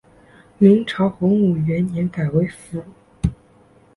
明朝洪武元年改为府。